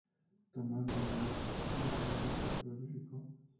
Tomás Borrás fue un periodista prolífico.